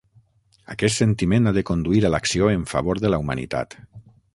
Aquest sentiment ha de conduir a l'acció en favor de la humanitat.